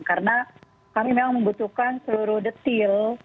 karena kami memang membutuhkan seluruh detail